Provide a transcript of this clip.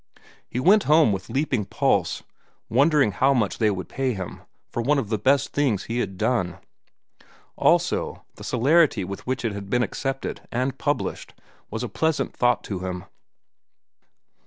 He went home with leaping pulse, wondering how much they would pay him for one of the best things he had done. Also, the celerity with which it had been accepted and published was a pleasant thought to him.